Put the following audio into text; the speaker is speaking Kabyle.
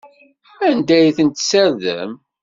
Anda ay tent-tessardem?